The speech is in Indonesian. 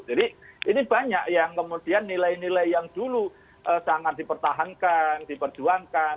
jadi ini banyak yang kemudian nilai nilai yang dulu sangat dipertahankan diperjuangkan